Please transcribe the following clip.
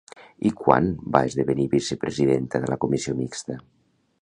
I quan va esdevenir vicepresidenta de la Comissió Mixta?